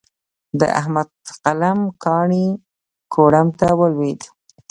د احمد قلم کاڼی کوړم ته ولوېد.